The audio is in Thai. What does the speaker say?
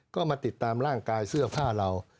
ก็มาติดตามร่างกายเสื้อผ้าเรา